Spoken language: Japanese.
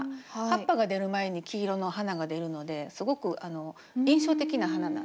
葉っぱが出る前に黄色の花が出るのですごく印象的な花なんですね。